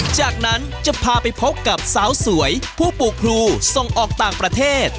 จากนั้นจะพาไปพบกับสาวสวยผู้ปลูกพลูส่งออกต่างประเทศ